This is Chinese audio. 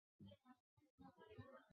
沃尔夫是一个无神论者。